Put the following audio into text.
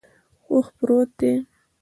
اوښ پروت دے